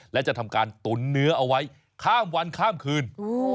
และจะทำการตุ๋นเนื้อเอาไว้ข้ามวันข้ามคืน